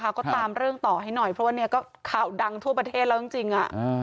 ก็ตามเรื่องต่อให้หน่อยเพราะว่าเนี่ยก็ข่าวดังทั่วประเทศแล้วจริง